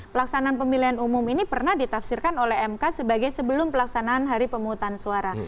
pelaksanaan pemilihan umum ini pernah ditafsirkan oleh mk sebagai sebelum pelaksanaan hari pemungutan suara